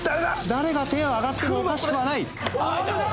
誰が手が上がってもおかしくはないうわ！